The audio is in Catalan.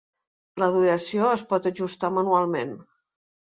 La duració es pot ajustar manualment.